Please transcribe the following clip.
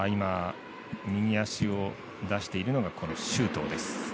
右足をけがしているのが周東です。